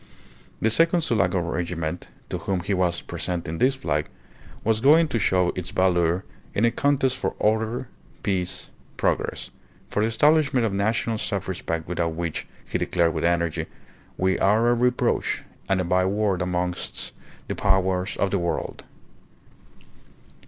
The second Sulaco regiment, to whom he was presenting this flag, was going to show its valour in a contest for order, peace, progress; for the establishment of national self respect without which he declared with energy "we are a reproach and a byword amongst the powers of the world."